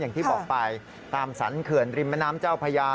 อย่างที่บอกไปตามสรรเขื่อนริมแม่น้ำเจ้าพญา